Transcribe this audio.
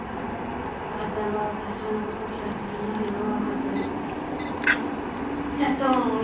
ばーちゃんがファッションのこと嫌っとるのはよう分かっとるじゃっどんおい